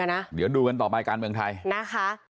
ไม่มีโอกาส